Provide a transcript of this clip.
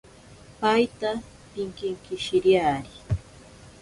Paita pinkinkishiriari.